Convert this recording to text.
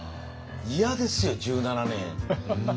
嫌ですよ１７年。